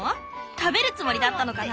食べるつもりだったのかな？